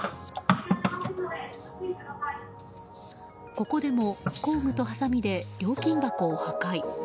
ここでも工具とはさみで料金箱を破壊。